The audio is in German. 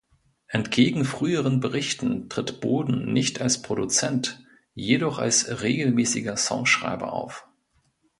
Entgegen früheren Berichten tritt Boden nicht als Produzent, jedoch als regelmäßiger Songschreiber auf.